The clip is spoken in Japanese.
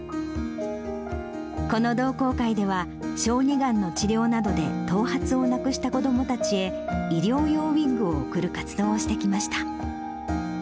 この同好会では、小児がんの治療などで頭髪をなくした子どもたちへ、医療用ウイッグを送る活動をしてきました。